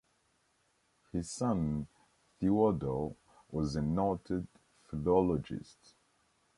His son Theodor was a noted philologist.